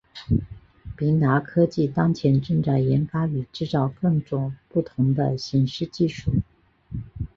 平达科技当前正在研发与制造更种不同的显示技术。